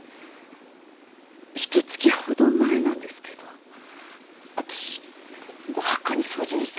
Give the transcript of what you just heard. ひと月ほど前なんですけど私お墓に掃除に行った時。